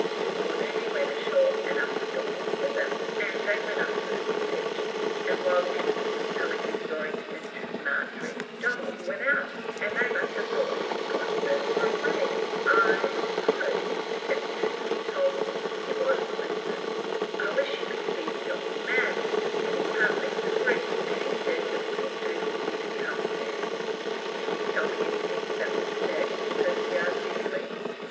This forenoon he went ashore, and Uncle Donald with him; and they went up to the cottage; and while the cap'n was tellin' his story to Mistress Margery, Donald went out; and they must have thought he'd gone further away. I s'pose, if the truth was told, he was list'nin'. I wish you could see the old man; but he can't leave the brig; and he says it wouldn't do for you to come there." "Can you tell me anything that was said?" Percy asked eagerly.